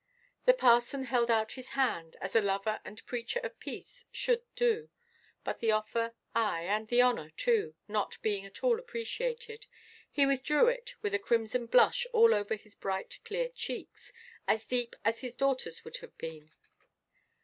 The parson held out his hand, as a lover and preacher of peace should do; but the offer, ay, and the honour too, not being at all appreciated, he withdrew it with a crimson blush all over his bright clear cheeks, as deep as his daughterʼs would have been.